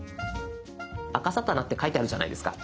あかさたなって書いてあるじゃないですか。